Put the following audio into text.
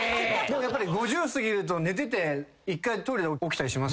やっぱり５０過ぎると寝てて一回トイレで起きたりします？